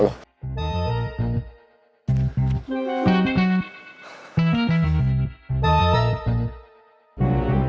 gw liat banget